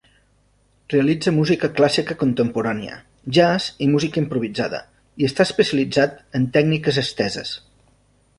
Realitza música clàssica contemporània, jazz i música improvisada, i està especialitzat en tècniques esteses.